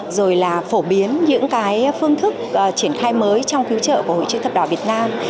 rồi là phổ biến những cái phương thức triển khai mới trong cứu trợ của hội chữ thập đỏ việt nam